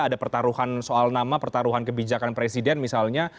ada pertaruhan soal nama pertaruhan kebijakan presiden misalnya